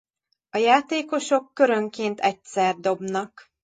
A játékosok körönként egyszer dobnak.